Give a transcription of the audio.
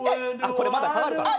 これまだかかるから。